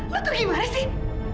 lo tuh gimana sih